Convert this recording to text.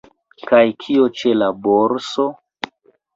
Kaj kio ĉe la borso?